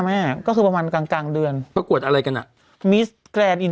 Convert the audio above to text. ทั่วโลกเขาก็จะมาประกวดกับที่นี่